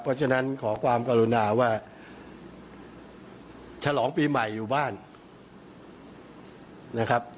เพราะฉะนั้นขอความกรุณาว่าฉลองปีใหม่อยู่บ้านนะครับ